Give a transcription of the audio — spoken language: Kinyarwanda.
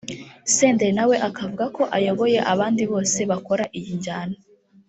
Senderi nawe akavuga ko ayoboye abandi bose bakora iyi njyana